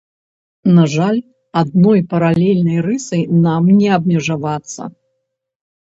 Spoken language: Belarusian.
На жаль, адной паралельнай рысай нам не абмежавацца.